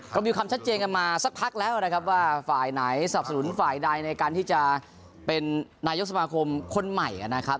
ก็มีความชัดเจนกันมาสักพักแล้วนะครับว่าฝ่ายไหนสนับสนุนฝ่ายใดในการที่จะเป็นนายกสมาคมคนใหม่นะครับ